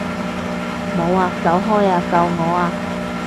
冇啊！走開啊！救我啊！